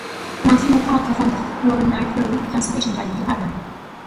Maximo Park performed the following night following a cancellation by Lily Allen.